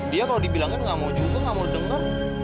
dia kalau dibilangin gak mau juga gak mau denger